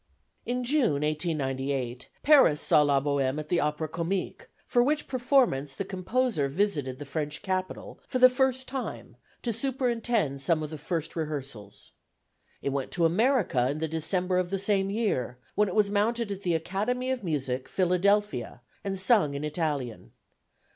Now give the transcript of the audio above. In June 1898 Paris saw La Bohème at the Opera Comique, for which performance the composer visited the French Capital, for the first time, to superintend some of the first rehearsals. It went to America in the December of the same year, when it was mounted at the Academy of Music, Philadelphia, and sung in Italian.